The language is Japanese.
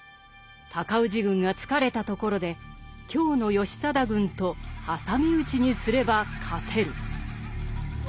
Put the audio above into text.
尊氏軍が疲れたところで京の義貞軍と挟み撃ちにすれば勝てる」。